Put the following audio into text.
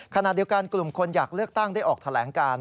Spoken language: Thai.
ขณะเดียวกันกลุ่มคนอยากเลือกตั้งได้ออกแถลงการ